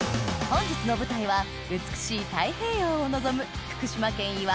本日の舞台は美しい太平洋を望む